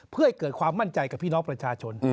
เพื่อให้เกิดความมั่นใจกับพี่น้องประชาชน